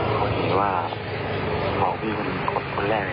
คุณคิดว่าหมอพี่คุณเป็นคนแรกเลยนะ